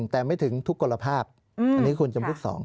แต่ไม่ถึงทุกกรภาพอันนี้คือคนยำพวก๒